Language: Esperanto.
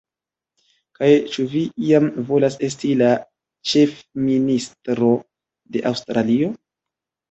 Kaj ĉu vi iam volas esti la ĉefministro de Aŭstralio?